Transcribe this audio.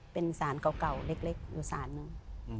เป็นศาลเก่าเล็กอยู่ศาลนึง